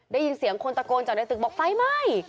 ได้ยินเสียงคนตะโกนจากในตึกบอกไฟไหม้